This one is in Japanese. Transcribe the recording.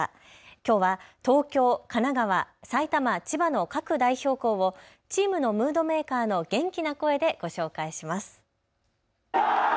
きょうは東京、神奈川、埼玉、千葉の各代表校をチームのムードメーカーの元気な声でご紹介します。